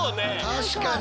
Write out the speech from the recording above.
確かに。